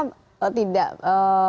di negara negara kita